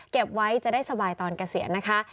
เก็บไว้จะได้สบายตอนเกษียณนะคะ